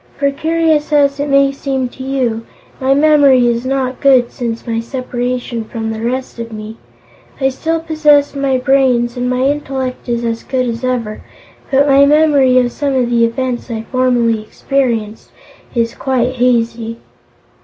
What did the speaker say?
"For, curious as it may seem to you, my memory is not good since my separation from the rest of me. I still possess my brains and my intellect is as good as ever, but my memory of some of the events I formerly experienced is quite hazy."